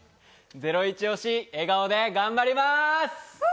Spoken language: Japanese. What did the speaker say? ゼロイチ推し、笑顔で頑張ります！